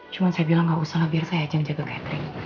cuma saya bilang gak usah lah biar saya aja ngejaga catherine